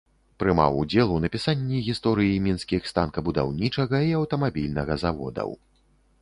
Прымаў удзел у напісанні гісторыі мінскіх станкабудаўнічага і аўтамабільнага заводаў.